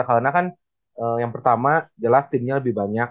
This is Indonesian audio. karena kan yang pertama jelas timnya lebih banyak